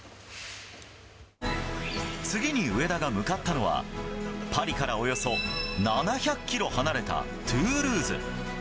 次に上田が向かったのは、パリからおよそ７００キロ離れたトゥールーズ。